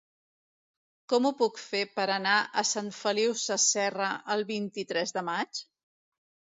Com ho puc fer per anar a Sant Feliu Sasserra el vint-i-tres de maig?